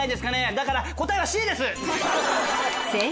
だから答えはＣです！